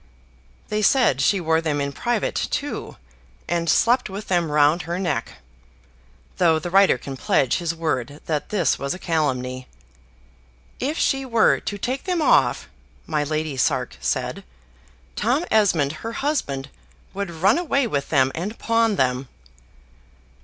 They said she wore them in private, too, and slept with them round her neck; though the writer can pledge his word that this was a calumny. "If she were to take them off," my Lady Sark said, "Tom Esmond, her husband, would run away with them and pawn them."